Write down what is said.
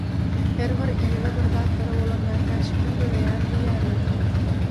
Her bir yza birzatlara bolan mätäçlikden döreýän diýýärler.